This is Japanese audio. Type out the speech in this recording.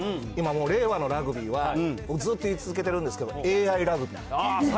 今もう令和のラグビーは、ずっと言い続けてるんですけど、ＡＩラグビー。